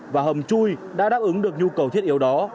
và hầm chui đã đáp ứng được nhu cầu thiết yếu đó